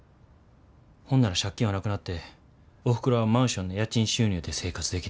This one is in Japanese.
ほんなら借金はなくなっておふくろはマンションの家賃収入で生活できる。